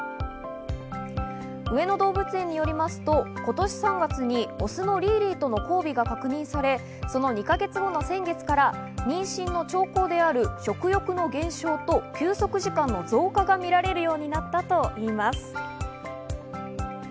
上野動物園によりますと、今年３月にオスのリーリーとの交尾が確認され、その２か月後の先月から妊娠の兆候である食欲の減少と休息時間の増加が見られるようになったといいます。